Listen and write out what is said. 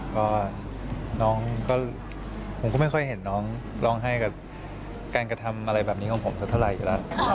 ก็น้องก็ผมก็ไม่ค่อยเห็นน้องร้องไห้กับการกระทำอะไรแบบนี้ของผมสักเท่าไหร่อยู่แล้ว